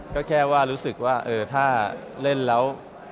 ก็แค่ว่ารู้สึกว่าถ้าเล่นแล้ว